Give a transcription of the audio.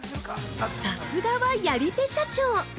◆さすがはやり手社長！